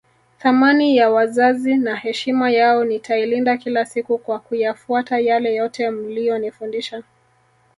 Thamani ya wazazi na heshima yao nitailinda kila siku kwa kuyafuata yale yote mliyonifundisha